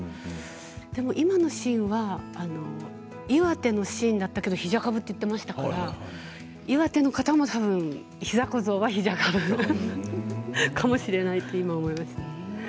でも、今のシーンは岩手のシーンだったけれどひじゃかぶと言っていましたから岩手の方もたぶんひざ小僧はひじゃかぶなんですね。